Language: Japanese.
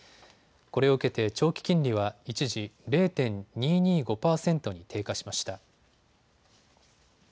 これを受けて長期金利は一時０．２２５％に低下しました。